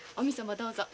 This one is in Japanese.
どうぞ。